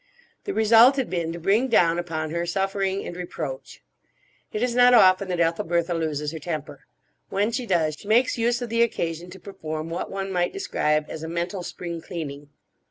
The result had been to bring down upon her suffering and reproach. It is not often that Ethelbertha loses her temper. When she does she makes use of the occasion to perform what one might describe as a mental spring cleaning.